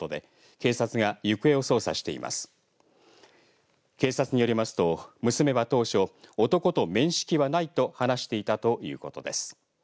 警察によりますと、娘は当初男と面識はないと話していたということです。